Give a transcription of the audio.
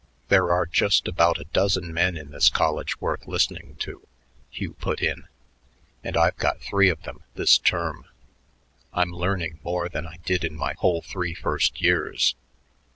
"There are just about a dozen men in this college worth listening to," Hugh put in, "and I've got three of them this term. I'm learning more than I did in my whole three first years.